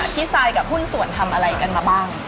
ทรายกับหุ้นส่วนทำอะไรกันมาบ้าง